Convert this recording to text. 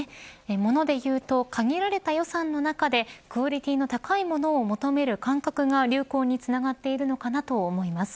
モノでいうと限られた予算の中でクオリティーの高いものを求める感覚が流行につながっているのかなと思います。